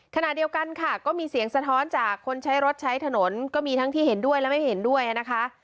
ขณะเดียวกันค่ะก็มีเสียงสะท้อนจากคนใช้รถใช้ถนนก็มีทั้งที่เห็นด้วยและไม่เห็นด้วยนะคะ